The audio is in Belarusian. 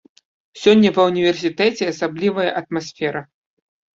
Сёння ва ўніверсітэце асаблівая атмасфера.